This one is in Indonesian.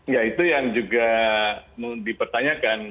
ya itu yang juga dipertanyakan